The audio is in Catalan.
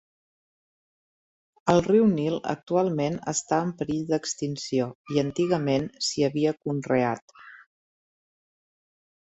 Al riu Nil actualment està en perill d'extinció i antigament s'hi havia conreat.